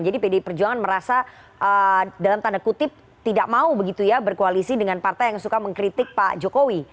jadi pdi perjuangan merasa dalam tanda kutip tidak mau begitu ya berkoalisi dengan partai yang suka mengkritik pak jokowi